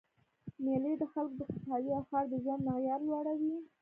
میلې د خلکو د خوشحالۍ او ښار د ژوند معیار لوړوي.